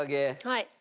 はい。